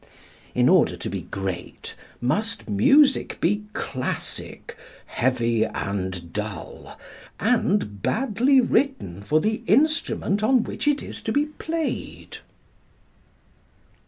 In order to be great must music be "classic," heavy and dull, and badly written for the instrument on which it is to be played?